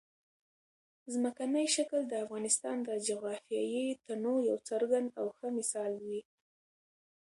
ځمکنی شکل د افغانستان د جغرافیوي تنوع یو څرګند او ښه مثال دی.